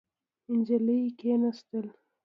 نجلۍ کېناسته.